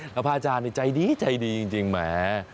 แล้วพระอาจารย์ใจดีใจดีจริงแหม